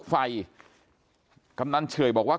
ก็คุณตามมาอยู่กรงกีฬาดครับ